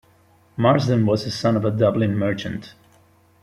Marsden was the son of a Dublin merchant.